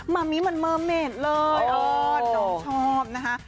แม่เหมือนเมอร์เมตข์เลยน้องชอบนะฮะ